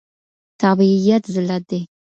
تابعيت ذلت دی.